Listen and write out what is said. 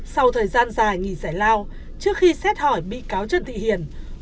sau thời gian dài nghỉ giải lao trước khi xét hỏi bị cáo trần thị hiền